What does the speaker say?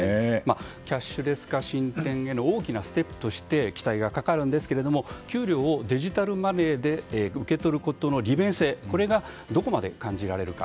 キャッシュレス化進展への大きなステップとして期待がかかるんですが、給料をデジタルマネーで受け取ることの利便性これがどこまで感じられるか。